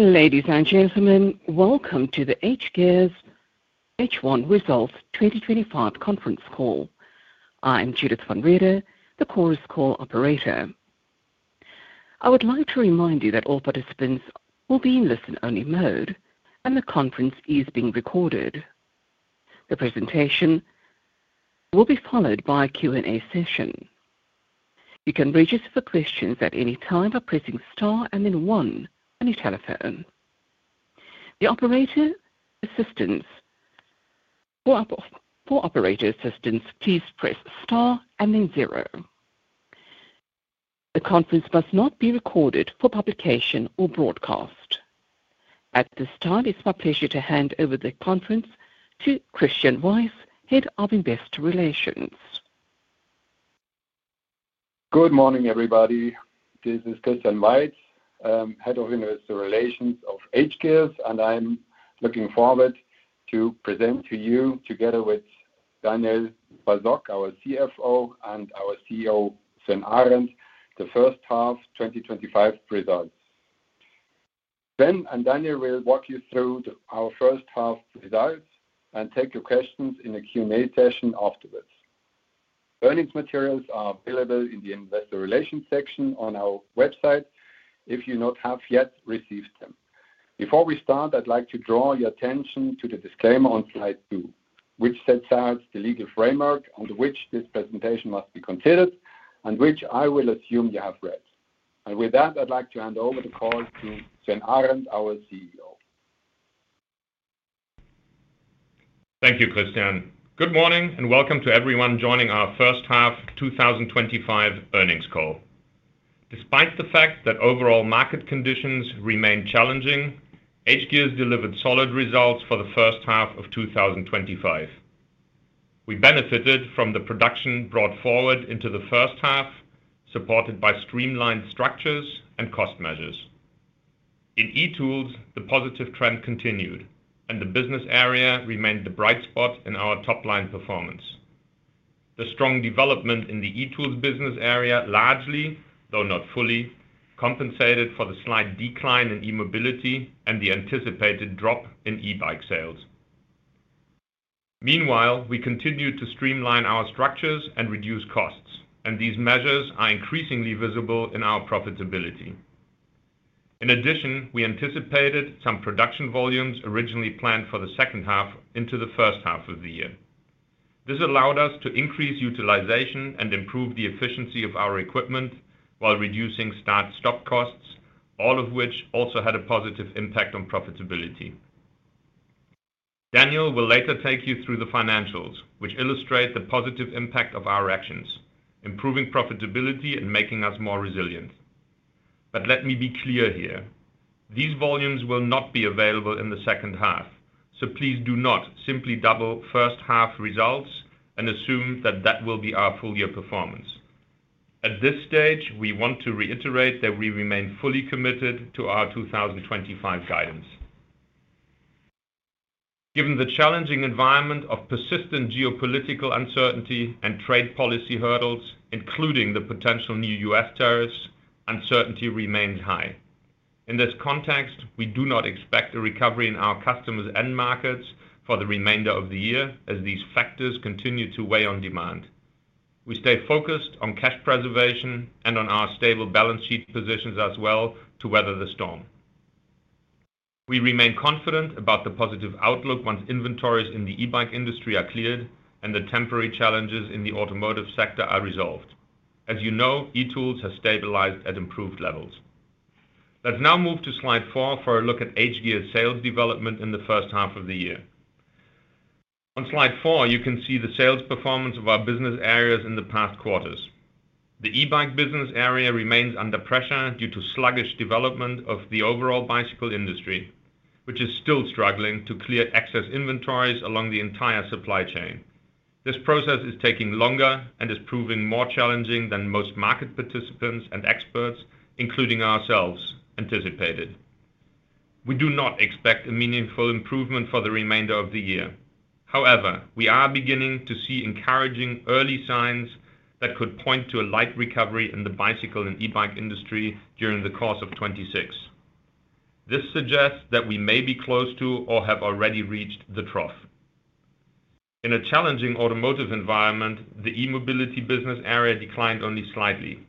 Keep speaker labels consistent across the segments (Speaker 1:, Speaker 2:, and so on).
Speaker 1: Ladies and gentlemen, welcome to the hGears H1 Results 2025 Conference Call. I am Judith van Reete, the Course Call operator. I would like to remind you that all participants will be in listen-only mode, and the conference is being recorded. The presentation will be followed by a Q&A session. You can register for questions at any time by pressing star and then one on your telephone. For operator assistance, please press star and then zero. The conference must not be recorded for publication or broadcast. At this time, it's my pleasure to hand over the conference to Christian Weiz, Head of Investor Relations.
Speaker 2: Good morning, everybody. This is Christian Weiz, Head of Investor Relations of hGears, and I'm looking forward to present to you, together with Daniel Basok, our CFO, and our CEO, Sven Arend, the first half 2025 results. Sven and Daniel will walk you through our first half results and take your questions in the Q&A session afterwards. Earnings materials are available in the Investor Relations section on our website if you have not yet received them. Before we start, I'd like to draw your attention to the disclaimer on slide two, which sets out the legal framework under which this presentation must be considered and which I will assume you have read. With that, I'd like to hand over the call to Sven Arend, our CEO.
Speaker 3: Thank you, Christian. Good morning and welcome to everyone joining our first half 2025 earnings call. Despite the fact that overall market conditions remain challenging, hGears delivered solid results for the first half of 2025. We benefited from the production brought forward into the first half, supported by streamlined structures and cost measures. In e-Tools, the positive trend continued, and the business area remained the bright spot in our top-line performance. The strong development in the e-Tools business area largely, though not fully, compensated for the slight decline in e-Mobility and the anticipated drop in e-Bike sales. Meanwhile, we continued to streamline our structures and reduce costs, and these measures are increasingly visible in our profitability. In addition, we anticipated some production volumes originally planned for the second half into the first half of the year. This allowed us to increase utilization and improve the efficiency of our equipment while reducing start-stop costs, all of which also had a positive impact on profitability. Daniel will later take you through the financials, which illustrate the positive impact of our actions, improving profitability and making us more resilient. Let me be clear here. These volumes will not be available in the second half, so please do not simply double first-half results and assume that that will be our full-year performance. At this stage, we want to reiterate that we remain fully committed to our 2025 guidance. Given the challenging environment of persistent geopolitical uncertainty and trade policy hurdles, including the potential new U.S. tariffs, uncertainty remains high. In this context, we do not expect a recovery in our customers' end markets for the remainder of the year as these factors continue to weigh on demand. We stay focused on cash preservation and on our stable balance sheet positions as well to weather the storm. We remain confident about the positive outlook once inventories in the e-Bike industry are cleared and the temporary challenges in the automotive sector are resolved. As you know, e-Tools has stabilized at improved levels. Let's now move to slide four for a look at hGears' sales development in the first half of the year. On slide four, you can see the sales performance of our business areas in the past quarters. The e-Bike business area remains under pressure due to sluggish development of the overall bicycle industry, which is still struggling to clear excess inventories along the entire supply chain. This process is taking longer and is proving more challenging than most market participants and experts, including ourselves, anticipated. We do not expect a meaningful improvement for the remainder of the year. However, we are beginning to see encouraging early signs that could point to a light recovery in the bicycle and e-Bike industry during the course of 2026. This suggests that we may be close to or have already reached the trough. In a challenging automotive environment, the e-Mobility business area declined only slightly.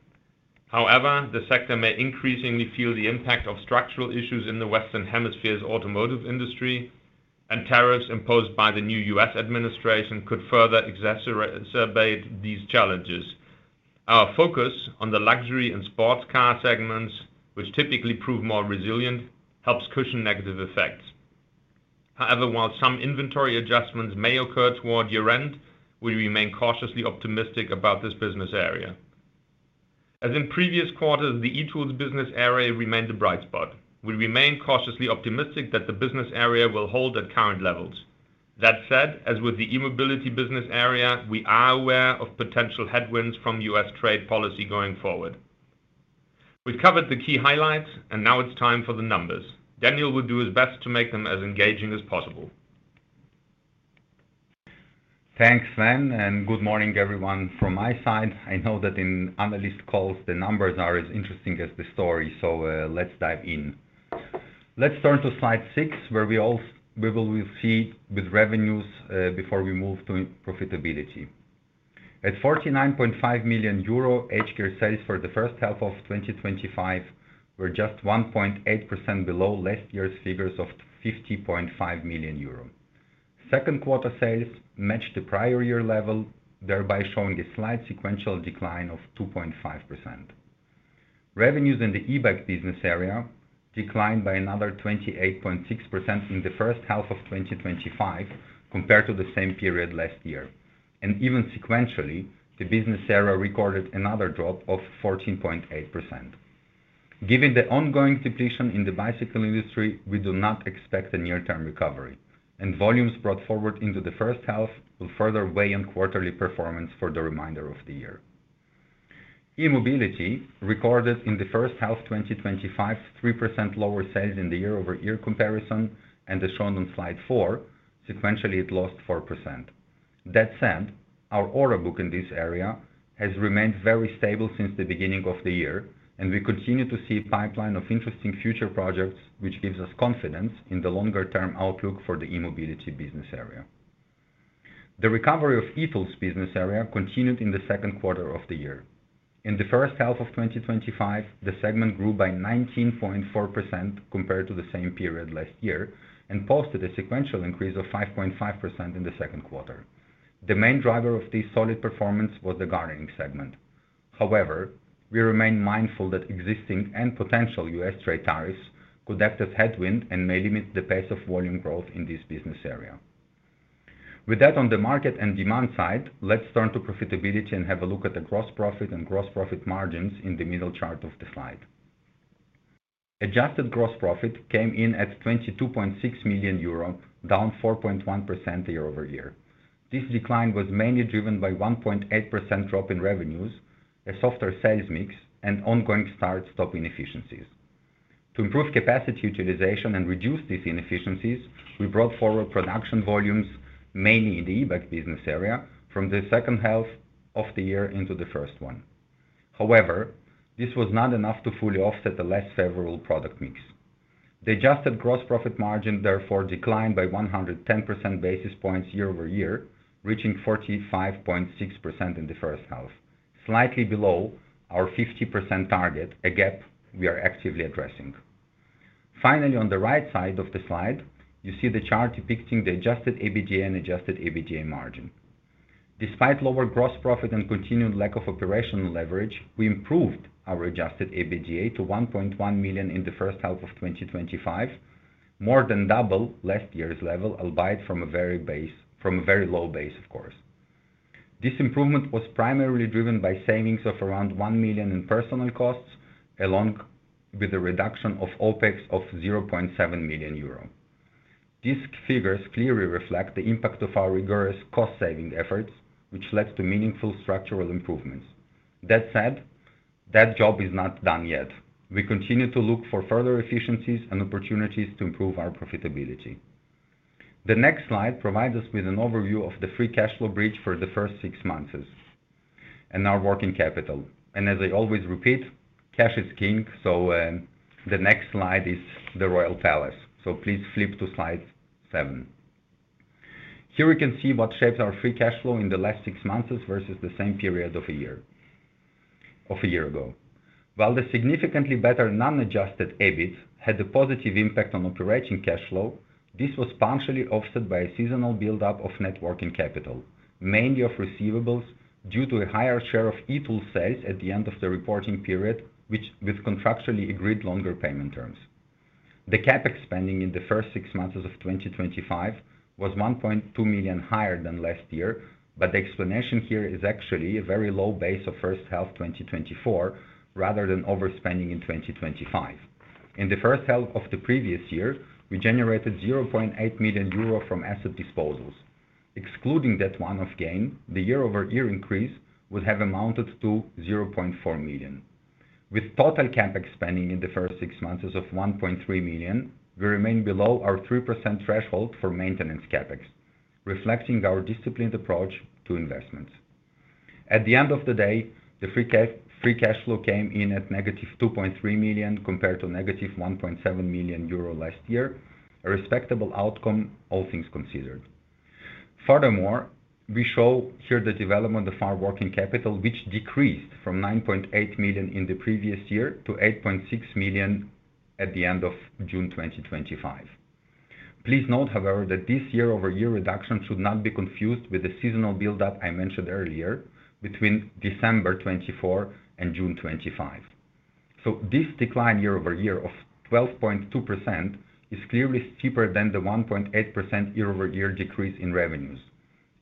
Speaker 3: However, the sector may increasingly feel the impact of structural issues in the Western Hemisphere's automotive industry, and tariffs imposed by the new U.S. administration could further exacerbate these challenges. Our focus on the luxury and sports car segments, which typically prove more resilient, helps cushion negative effects. However, while some inventory adjustments may occur toward year-end, we remain cautiously optimistic about this business area. As in previous quarters, the e-Tools business area remained a bright spot. We remain cautiously optimistic that the business area will hold at current levels. That said, as with the e-Mobility business area, we are aware of potential headwinds from U.S. trade policy going forward. We've covered the key highlights, and now it's time for the numbers. Daniel will do his best to make them as engaging as possible.
Speaker 4: Thanks, Sven, and good morning, everyone. From my side, I know that in analyst calls, the numbers are as interesting as the story, so let's dive in. Let's turn to slide six, where we will proceed with revenues before we move to profitability. At 49.5 million euro, hGears' sales for the first half of 2025 were just 1.8% below last year's figures of 50.5 million euro. Second quarter sales matched the prior year level, thereby showing a slight sequential decline of 2.5%. Revenues in the e-Bike business area declined by another 28.6% in the first half of 2025 compared to the same period last year. Even sequentially, the business area recorded another drop of 14.8%. Given the ongoing depletion in the bicycle industry, we do not expect a near-term recovery, and volumes brought forward into the first half will further weigh on quarterly performance for the remainder of the year. E-Mobility recorded in the first half of 2025 3% lower sales in the year-over-year comparison, and as shown on slide four, sequentially it lost 4%. That said, our order book in this area has remained very stable since the beginning of the year, and we continue to see a pipeline of interesting future projects, which gives us confidence in the longer-term outlook for the e-Mobility business area. The recovery of e-Tools' business area continued in the second quarter of the year. In the first half of 2025, the segment grew by 19.4% compared to the same period last year and posted a sequential increase of 5.5% in the second quarter. The main driver of this solid performance was the gardening segment. However, we remain mindful that existing and potential U.S. trade tariffs could act as headwinds and may limit the pace of volume growth in this business area. With that on the market and demand side, let's turn to profitability and have a look at the gross profit and gross profit margins in the middle chart of the slide. Adjusted gross profit came in at 22.6 million euro, down 4.1% year-over-year. This decline was mainly driven by a 1.8% drop in revenues, a softer sales mix, and ongoing start-stop inefficiencies. To improve capacity utilization and reduce these inefficiencies, we brought forward production volumes, mainly in the e-Bike business area, from the second half of the year into the first one. However, this was not enough to fully offset the less favorable product mix. The adjusted gross profit margin therefore declined by 110 basis points year-over-year, reaching 45.6% in the first half, slightly below our 50% target, a gap we are actively addressing. Finally, on the right side of the slide, you see the chart depicting the adjusted EBITDA and adjusted EBITDA margin. Despite lower gross profit and continued lack of operational leverage, we improved our adjusted EBITDA to 1.1 million in the first half of 2025, more than double last year's level, albeit from a very low base, of course. This improvement was primarily driven by savings of around 1 million in personnel costs, along with a reduction of OPEX of 0.7 million euro. These figures clearly reflect the impact of our rigorous cost-saving efforts, which led to meaningful structural improvements. That said, that job is not done yet. We continue to look for further efficiencies and opportunities to improve our profitability. The next slide provides us with an overview of the free cash flow bridge for the first six months and our working capital. As I always repeat, cash is king, so the next slide is the royal palace, so please flip to slide seven. Here we can see what shapes our free cash flow in the last six months versus the same period of a year ago. While the significantly better non-adjusted EBIT had a positive impact on operating cash flow, this was partially offset by a seasonal buildup of net working capital, mainly of receivables, due to a higher share of e-Tools sales at the end of the reporting period, with contractually agreed longer payment terms. The CapEx spending in the first six months of 2025 was 1.2 million higher than last year, but the explanation here is actually a very low base of first half 2024 rather than overspending in 2025. In the first half of the previous year, we generated 0.8 million euro from asset disposals. Excluding that one-off gain, the year-over-year increase would have amounted to 0.4 million. With total CapEx spending in the first six months of 1.3 million, we remain below our 3% threshold for maintenance CapEx, reflecting our disciplined approach to investments. At the end of the day, the free cash flow came in at -2.3 million compared to -1.7 million euro last year, a respectable outcome, all things considered. Furthermore, we show here the development of our working capital, which decreased from 9.8 million in the previous year to 8.6 million at the end of June 2025. Please note, however, that this year-over-year reduction should not be confused with the seasonal buildup I mentioned earlier between December 2024 and June 2025. This decline year-over-year of 12.2% is clearly steeper than the 1.8% year-over-year decrease in revenues,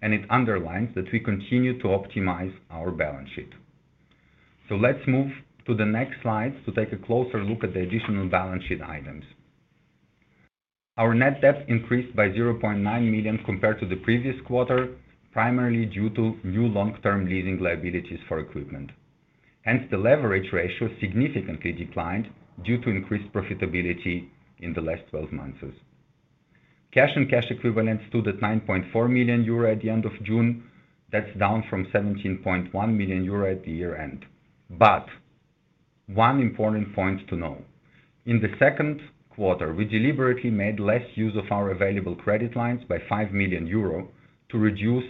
Speaker 4: and it underlines that we continue to optimize our balance sheet. Let's move to the next slides to take a closer look at the additional balance sheet items. Our net debt increased by 0.9 million compared to the previous quarter, primarily due to new long-term leasing liabilities for equipment. Hence, the leverage ratio significantly declined due to increased profitability in the last 12 months. Cash and cash equivalents stood at 9.4 million euro at the end of June. That's down from 17.1 million euro at the year-end. One important point to know: in the second quarter, we deliberately made less use of our available credit lines by 5 million euro to reduce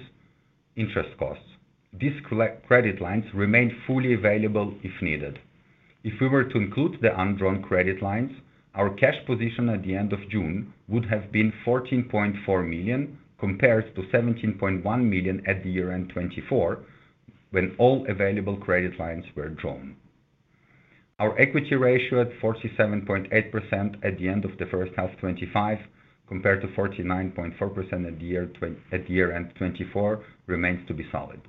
Speaker 4: interest costs. These credit lines remained fully available if needed. If we were to include the undrawn credit lines, our cash position at the end of June would have been 14.4 million compared to 17.1 million at the year-end 2024, when all available credit lines were drawn. Our equity ratio at 47.8% at the end of the first half 2025 compared to 49.4% at the year-end 2024 remains solid.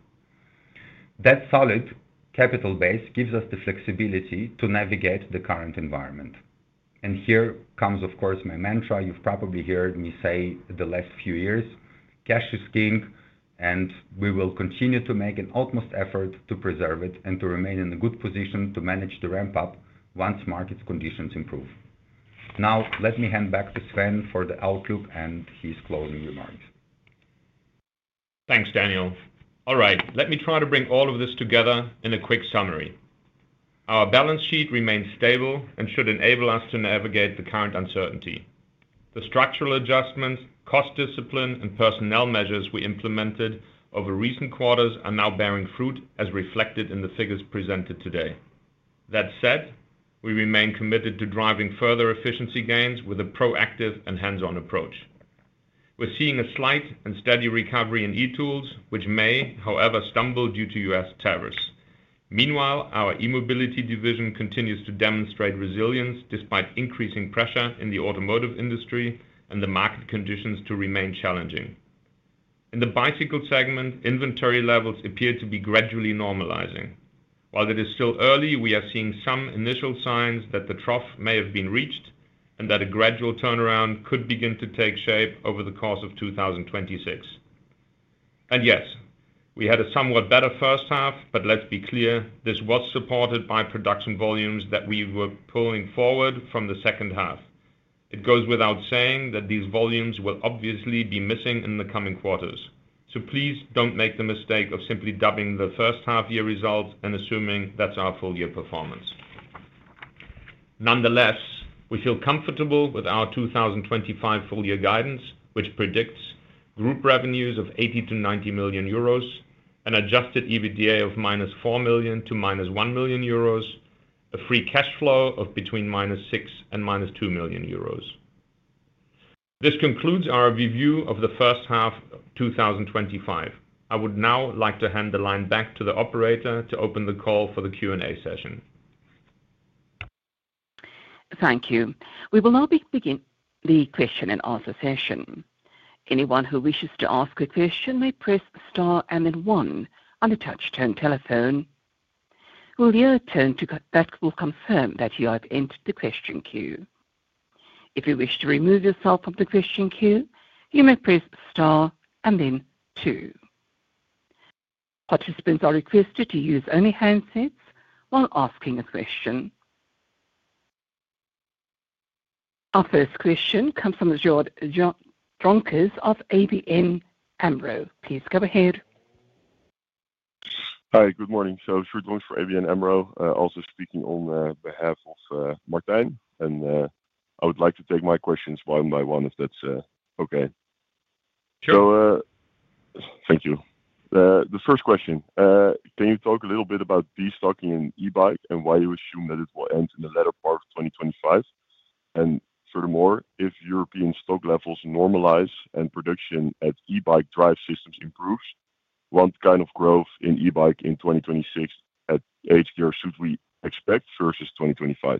Speaker 4: That solid capital base gives us the flexibility to navigate the current environment. Here comes, of course, my mantra. You've probably heard me say the last few years, cash is king, and we will continue to make an utmost effort to preserve it and to remain in a good position to manage the ramp-up once market conditions improve. Now, let me hand back to Sven for the outlook and his closing remarks.
Speaker 3: Thanks, Daniel. All right, let me try to bring all of this together in a quick summary. Our balance sheet remains stable and should enable us to navigate the current uncertainty. The structural adjustments, cost discipline, and personnel measures we implemented over recent quarters are now bearing fruit as reflected in the figures presented today. That said, we remain committed to driving further efficiency gains with a proactive and hands-on approach. We're seeing a slight and steady recovery in e-Tools, which may, however, stumble due to U.S. tariffs. Meanwhile, our e-Mobility division continues to demonstrate resilience despite increasing pressure in the automotive industry and the market conditions to remain challenging. In the bicycle segment, inventory levels appear to be gradually normalizing. While it is still early, we are seeing some initial signs that the trough may have been reached and that a gradual turnaround could begin to take shape over the course of 2026. Yes, we had a somewhat better first half, but let's be clear, this was supported by production volumes that we were pulling forward from the second half. It goes without saying that these volumes will obviously be missing in the coming quarters. Please don't make the mistake of simply dubbing the first half-year results and assuming that's our full-year performance. Nonetheless, we feel comfortable with our 2025 full-year guidance, which predicts group revenues of 80 million-90 million euros, an adjusted EBITDA of -4 million to -1 million euros, a free cash flow of between -6 million and -2 million euros. This concludes our review of the first half of 2025. I would now like to hand the line back to the operator to open the call for the Q&A session.
Speaker 1: Thank you. We will now begin the question and answer session. Anyone who wishes to ask a question may press star and then one on the touch-tone telephone. You will hear a tone that will confirm that you have entered the question queue. If you wish to remove yourself from the question queue, you may press star and then two. Participants are requested to use only handsets while asking a question. Our first question comes from Sjoerd Dronkers of ABN AMRO. Please go ahead.
Speaker 5: Hi, good morning. Sjoerd Dronkers for ABN AMRO, also speaking on behalf of Mark [Dyn]. I would like to take my questions one by one, if that's okay.
Speaker 3: Sure.
Speaker 5: Thank you. The first question, can you talk a little bit about destocking in e-Bike and why you assume that it will end in the latter part of 2025? Furthermore, if European stock levels normalize and production at e-Bike drive systems improves, what kind of growth in e-Bike in 2026 at hGears should we expect versus 2025?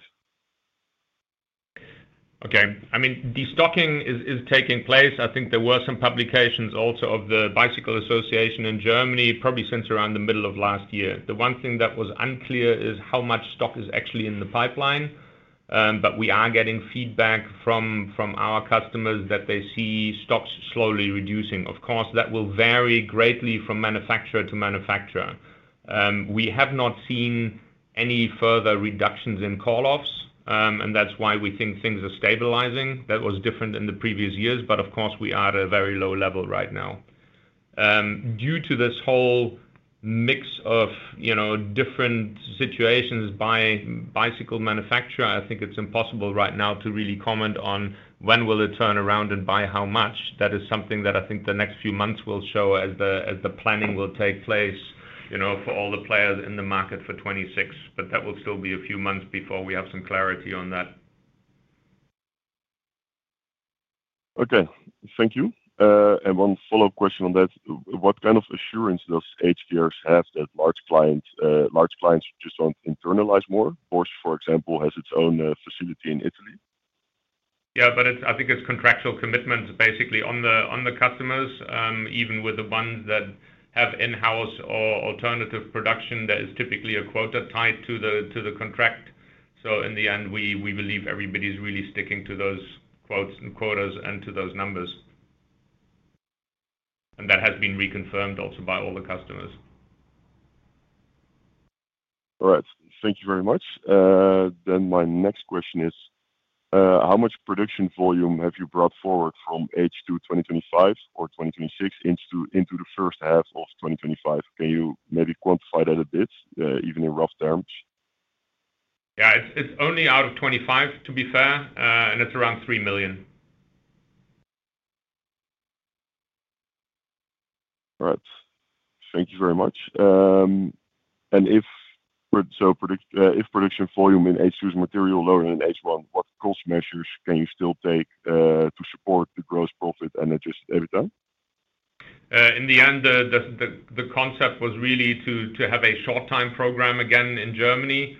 Speaker 3: Okay. I mean, destocking is taking place. I think there were some publications also of the Bicycle Association in Germany, probably since around the middle of last year. The one thing that was unclear is how much stock is actually in the pipeline. We are getting feedback from our customers that they see stocks slowly reducing. Of course, that will vary greatly from manufacturer to manufacturer. We have not seen any further reductions in call-offs, and that's why we think things are stabilizing. That was different in the previous years. Of course, we are at a very low level right now. Due to this whole mix of different situations by bicycle manufacturer, I think it's impossible right now to really comment on when will it turn around and by how much. That is something that I think the next few months will show as the planning will take place for all the players in the market for 2026. That will still be a few months before we have some clarity on that.
Speaker 5: Okay. Thank you. One follow-up question on that. What kind of assurance does hGears have that large clients just don't internalize more? Porsche, for example, has its own facility in Italy.
Speaker 3: I think it's contractual commitments basically on the customers. Even with the ones that have in-house or alternative production, there is typically a quota tied to the contract. In the end, we believe everybody's really sticking to those quotas and to those numbers. That has been reconfirmed also by all the customers.
Speaker 5: All right. Thank you very much. My next question is, how much production volume have you brought forward from H2 2025 or 2026 into the first half of 2025? Can you maybe quantify that a bit, even in rough terms?
Speaker 3: Yeah, it's only out of 2025, to be fair, and it's around 3 million.
Speaker 5: All right. Thank you very much. If production volume in H2 is materially lower than in H1, what cost measures can you still take to support the gross profit and adjust EBITDA?
Speaker 3: In the end, the concept was really to have a short-time program again in Germany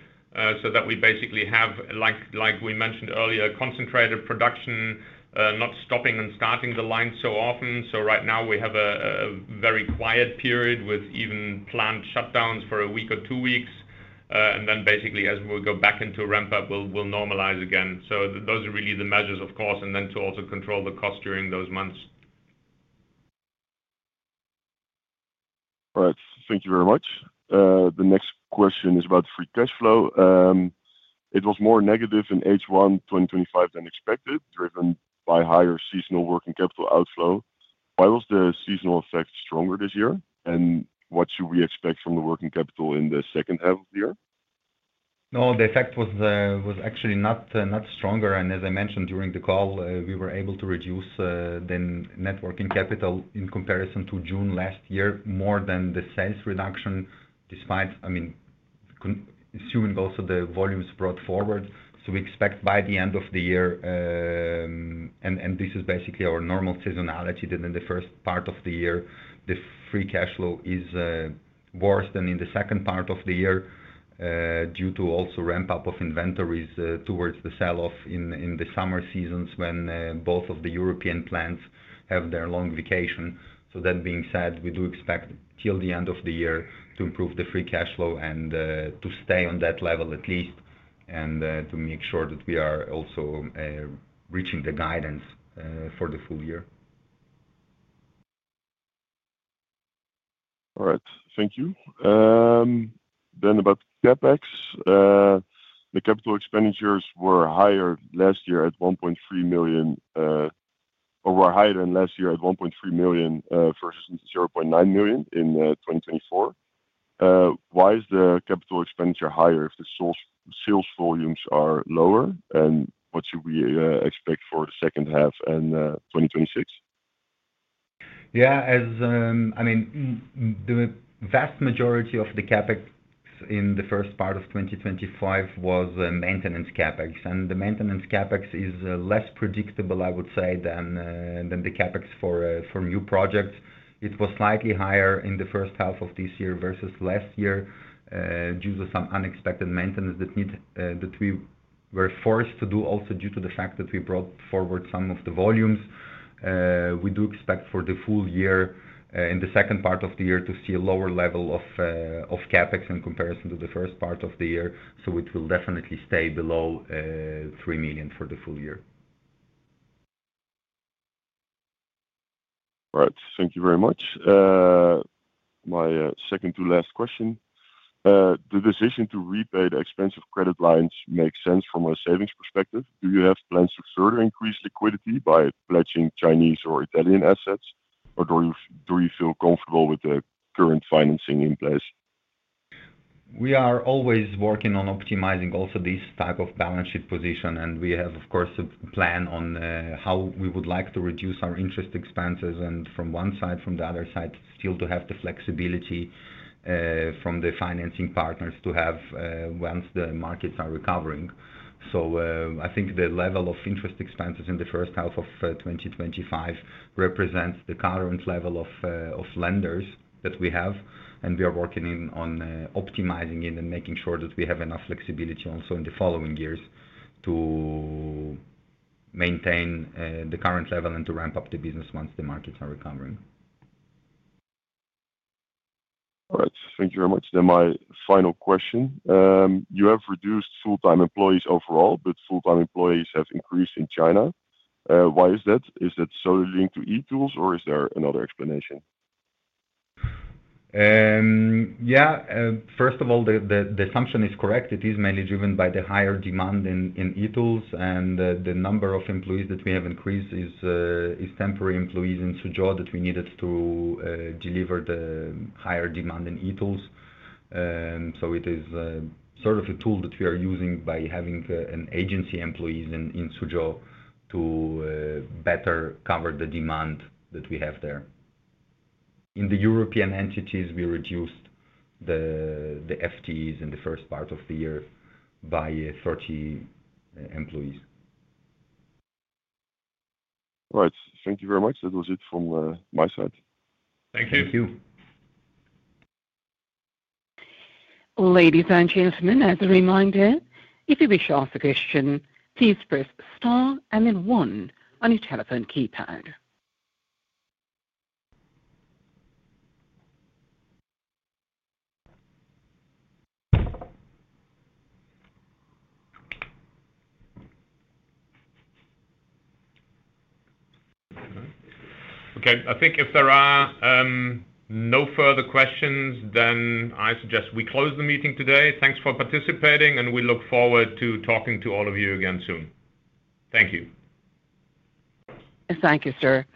Speaker 3: so that we basically have, like we mentioned earlier, concentrated production, not stopping and starting the line so often. Right now, we have a very quiet period with even planned shutdowns for a week or two weeks. Basically, as we go back into ramp-up, we'll normalize again. Those are really the measures, of course, and then to also control the cost during those months.
Speaker 5: All right. Thank you very much. The next question is about free cash flow. It was more negative in H1 2025 than expected, driven by higher seasonal working capital outflow. Why was the seasonal effect stronger this year, and what should we expect from the working capital in the second half of the year?
Speaker 4: No, the effect was actually not stronger. As I mentioned during the call, we were able to reduce the net working capital in comparison to June last year, more than the sales reduction, despite, I mean, assuming also the volumes brought forward. We expect by the end of the year, and this is basically our normal seasonality, that in the first part of the year, the free cash flow is worse than in the second part of the year, due to also ramp-up of inventories towards the sell-off in the summer seasons when both of the European plants have their long vacation. That being said, we do expect till the end of the year to improve the free cash flow and to stay on that level at least, and to make sure that we are also reaching the guidance for the full year.
Speaker 5: All right. Thank you. About CapEx, the capital expenditures were higher last year at 1.3 million, or were higher than last year at 1.3 million versus 0.9 million in 2024. Why is the capital expenditure higher if the sales volumes are lower, and what should we expect for the second half and 2026?
Speaker 4: Yeah, the vast majority of the CapEx in the first part of 2025 was maintenance CapEx, and the maintenance CapEx is less predictable, I would say, than the CapEx for new projects. It was slightly higher in the first half of this year versus last year, due to some unexpected maintenance that we were forced to do, also due to the fact that we brought forward some of the volumes. We do expect for the full year, in the second part of the year, to see a lower level of CapEx in comparison to the first part of the year. It will definitely stay below 3 million for the full year.
Speaker 5: All right. Thank you very much. My second to last question. The decision to repay the expensive credit lines makes sense from a savings perspective. Do you have plans to further increase liquidity by pledging Chinese or Italian assets, or do you feel comfortable with the current financing in place?
Speaker 4: We are always working on optimizing also this type of balance sheet position, and we have, of course, a plan on how we would like to reduce our interest expenses. From one side, from the other side, still to have the flexibility from the financing partners to have once the markets are recovering. I think the level of interest expenses in the first half of 2025 represents the current level of lenders that we have, and we are working on optimizing it and making sure that we have enough flexibility also in the following years to maintain the current level and to ramp up the business once the markets are recovering.
Speaker 5: All right. Thank you very much. My final question. You have reduced full-time employees overall, but full-time employees have increased in China. Why is that? Is that solely linked to e-Tools, or is there another explanation?
Speaker 4: Yeah. First of all, the assumption is correct. It is mainly driven by the higher demand in e-Tools, and the number of employees that we have increased is temporary employees in Suzhou that we needed to deliver the higher demand in eTools. It is sort of a tool that we are using by having agency employees in Suzhou to better cover the demand that we have there. In the European entities, we reduced the FTEs in the first part of the year by 30 employees.
Speaker 5: All right. Thank you very much. That was it from my side.
Speaker 3: Thank you.
Speaker 1: Ladies and gentlemen, as a reminder, if you wish to ask a question, please press star and then one on your telephone keypad.
Speaker 3: Okay. I think if there are no further questions, then I suggest we close the meeting today. Thanks for participating, and we look forward to talking to all of you again soon. Thank you.
Speaker 1: Thank you, sir.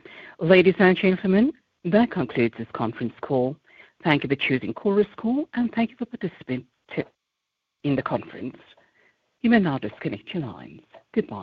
Speaker 1: Ladies and gentlemen, that concludes this conference call. Thank you for choosing Course Call, and thank you for participating in the conference. You may now disconnect your lines. Goodbye.